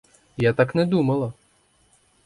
Я так не думала.